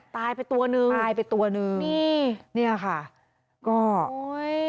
ตายไปตัวหนึ่งตายไปตัวหนึ่งนี่เนี่ยค่ะก็โอ้ย